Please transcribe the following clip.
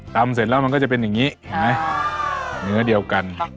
เสร็จแล้วมันก็จะเป็นอย่างนี้ใช่ไหมเนื้อเดียวกัน